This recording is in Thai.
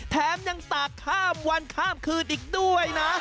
แถมยังตากข้ามวันข้ามคืนอีกด้วยนะ